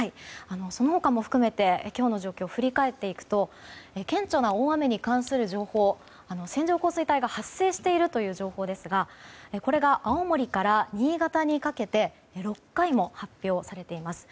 その他も含めて今日の状況を振り返っていくと顕著な大雨に関する情報線状降水帯が発生しているという情報ですがこれが青森から新潟にかけて６回も発表されています。